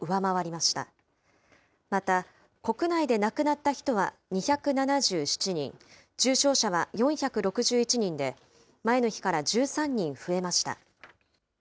また、国内で亡くなった人は２７７人、重症者は４６１人で、前の日から１３人増えました。